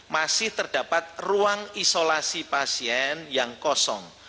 masih terdapat ruang isolasi pasien yang kosong